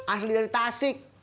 asli dari tasik